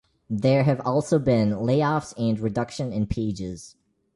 There have also been layoffs and reduction in pages.